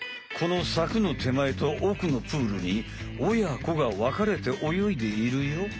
このさくのてまえと奥のプールに親子がわかれて泳いでいるよ。